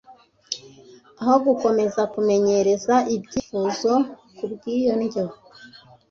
Aho gukomeza kumenyereza ibyifuzo kubw’iyo ndyo